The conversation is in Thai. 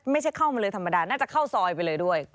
เข้ามาเลยธรรมดาน่าจะเข้าซอยไปเลยด้วย